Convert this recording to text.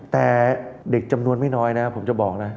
แต่เด็กจำนวนไม่น้อยนะผมจะบอกนะ